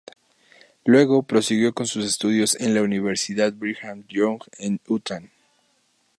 Luego prosiguió con sus estudios en la Universidad Brigham Young, en Utah.